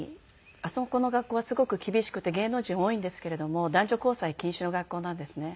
あそこの学校はすごく厳しくて芸能人多いんですけれども男女交際禁止の学校なんですね。